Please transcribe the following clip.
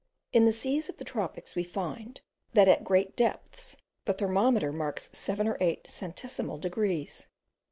In the seas of the tropics we find, that at great depths the thermometer marks 7 or 8 centesimal degrees.